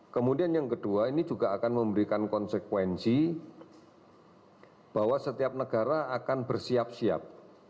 kemudian yang kedua ini juga akan memberikan konsekuensi bahwa setiap negara akan bersiap siap